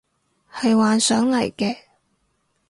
係幻想嚟嘅